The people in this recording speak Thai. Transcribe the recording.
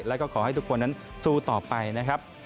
แล้วก็ขอให้ทุกคนนั้นสู้ต่อไปนะครับ